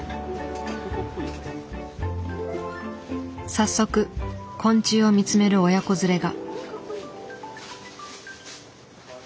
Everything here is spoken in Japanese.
早速昆虫を見つめる親子連れが。